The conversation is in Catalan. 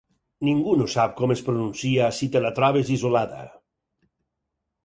Ningú no sap com es pronuncia si te la trobes isolada.